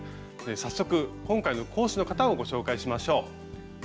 早速今回の講師の方をご紹介しましょう。